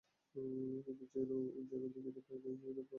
কিন্তু যেন দেখিতে পায় নাই এইরূপ ভাব করিয়া সে বেগে চলিয়া গেল।